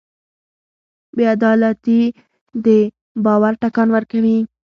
بېعدالتي د باور ټکان ورکوي.